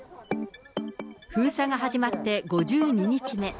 封鎖が始まって５２日目。